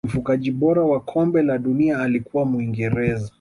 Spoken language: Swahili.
mfungaji bora wa kombe la dunia alikuwa muingereza